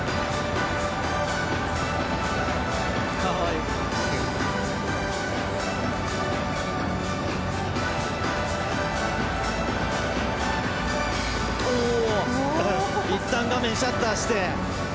いったん画面、シャッターして。